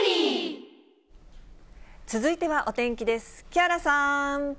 続いてはお天気です。